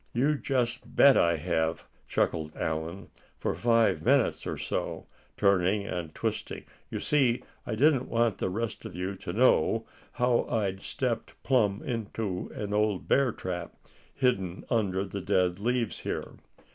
"You just bet I have," chuckled Allan, "for five minutes or so, turning and twisting. You see, I didn't want the rest of you to know how I'd stepped plumb into an old bear trap, hidden under the dead leaves here."